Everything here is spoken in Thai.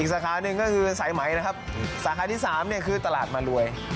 สาขาหนึ่งก็คือสายไหมนะครับสาขาที่๓เนี่ยคือตลาดมารวย